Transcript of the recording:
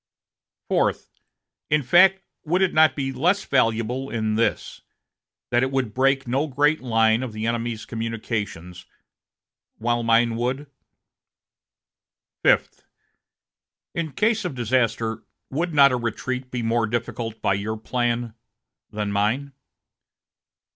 "Fourth. In fact, would it not be less valuable in this, that it would break no great line of the enemy's communications, while mine would?" "Fifth. In case of disaster, would not a retreat be more difficult by your plan than mine?"